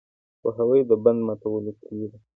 پوهاوی د بند ماتولو کلي ده.